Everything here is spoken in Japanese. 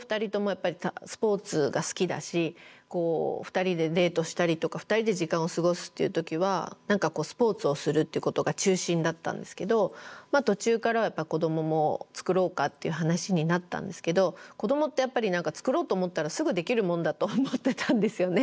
やっぱりスポーツが好きだし２人でデートしたりとか２人で時間を過ごすっていう時は何かスポーツをするっていうことが中心だったんですけど途中からは子どももつくろうかっていう話になったんですけど子どもって何かつくろうと思ったらすぐできるもんだと思ってたんですよね。